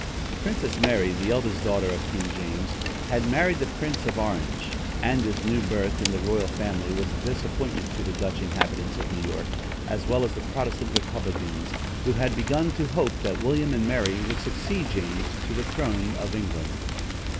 Princess Mary, the eldest daughter of King James, had married the Prince of Orange, and this new birth in the royal family was a disappointment to the Dutch inhabitants of New York, as well as the Protestant republicans, who had begun to hope that William and Mary would succeed James to the throne of England.